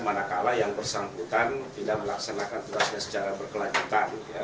manakala yang bersangkutan tidak melaksanakan tugasnya secara berkelanjutan